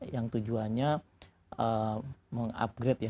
yang tujuannya mengupgrade ya